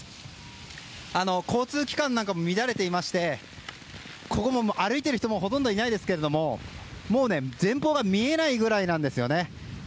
交通機関なんかも乱れていまして歩いている人ほとんどいないですが前方が見えないぐらいなんですよね。